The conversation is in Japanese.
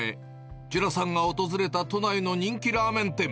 朱蘭さんが訪れた都内の人気ラーメン店。